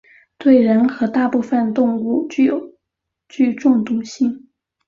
对人和大部分动物具中毒性。